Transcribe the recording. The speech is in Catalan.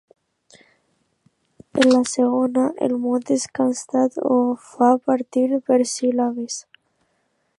En la segona, el mot encastat ho fa partit per síl·labes.